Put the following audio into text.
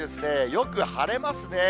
よく晴れますね。